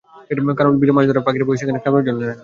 কারণ, বিলে মাছ ধরায় পাখিরা ভয়ে সেখানে খাবারের জন্য যায় না।